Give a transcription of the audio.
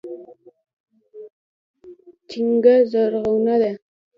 چينکه زرغونه ده